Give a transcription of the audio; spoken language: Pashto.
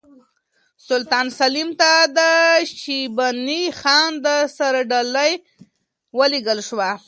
سلطان سلیم ته د شیباني خان د سر ډالۍ ولېږل شوه.